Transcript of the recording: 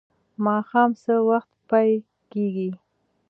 ماښام څه وخت پای کیږي؟